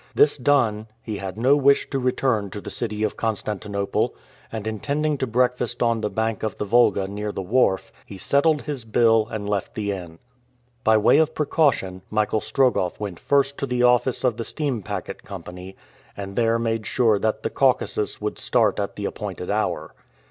This done, he had no wish to return to the City of Constantinople, and intending to breakfast on the bank of the Volga near the wharf, he settled his bill and left the inn. By way of precaution, Michael Strogoff went first to the office of the steam packet company, and there made sure that the Caucasus would start at the appointed hour.